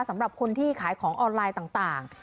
สำหรับคนที่ขายของออนไลน์ต่าง